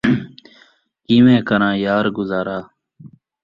کیویں کراں یار گزارا